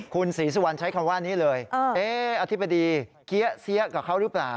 คุณศรีสุวรรณใช้คำว่านี้เลยอธิบดีเกี้ยเสียกับเขาหรือเปล่า